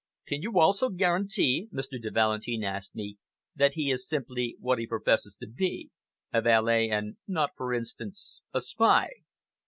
"Can you also guarantee," Mr. de Valentin asked me, "that he is simply what he professes to be a valet, and not, for instance, a spy?"